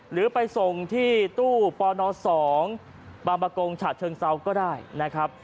หรือไปส่งที่ตู้ปน๒บางประกงฉะเชิงเซาก็ได้นะครับ